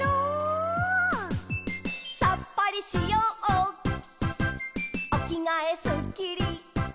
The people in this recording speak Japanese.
「さっぱりしようおきがえすっきり」